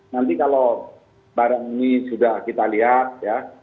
nanti kalau barang ini sudah kita lihat ya